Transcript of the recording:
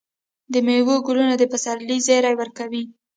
د میوو ګلونه د پسرلي زیری ورکوي.